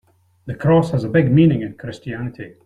The cross has a big meaning in Christianity.